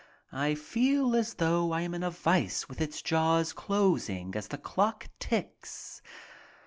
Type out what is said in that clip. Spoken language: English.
I feel as though I am in a vise with its jaws closing as the clock ticks.